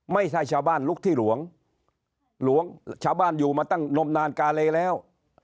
ไม่ใช่ชาวบ้านลุกที่หลวงหลวงชาวบ้านอยู่มาตั้งนมนานกาเลแล้ว